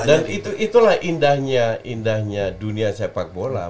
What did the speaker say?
dan itulah indahnya dunia sepak bola